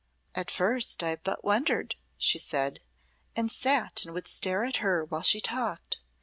"At first I but wondered," she said, "and sate and would stare at her while she talked.